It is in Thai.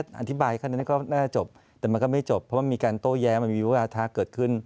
ก็น่าจะจบแต่มันก็ไม่จบเพราะมันมีการโต้แย้มันมีเวลาท้าเกิดขึ้น